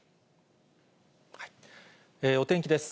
お天気です。